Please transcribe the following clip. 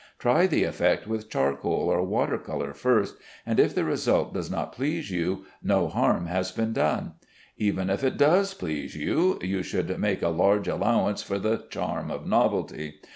Try the effect with charcoal or water color first, and if the result does not please you, no harm has been done. Even if it does please you, you should make a large allowance for the charm of novelty.